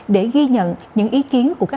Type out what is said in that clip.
để ghi nhận những ý kiến của các bạn